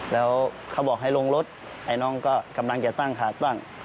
แล้วเขาบอกให้ลงรถไอ้น้องก็กำลังจะตั้งขาดบ้าง